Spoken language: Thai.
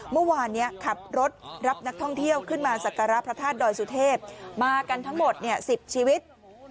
เมื่อวานนี้ขับรถรับนักท่องเที่ยวขึ้นมาสักการะพระธาตุดอยสุเทพมากันทั้งหมด๑๐ชีวิต